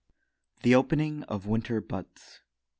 THE OPENING OF WINTER BUDS.